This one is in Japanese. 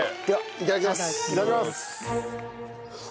いただきます。